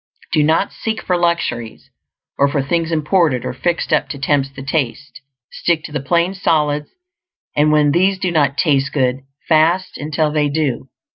Do not seek for luxuries, or for things imported or fixed up to tempt the taste; stick to the plain solids; and when these do not "taste good," fast until they do.